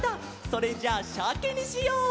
それじゃあシャケにしよう！